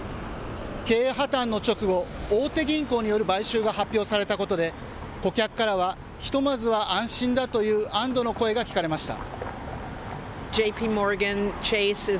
経営破綻の直後、大手銀行による買収が発表されたことで、顧客からはひとまずは安心だという安どの声が聞かれました。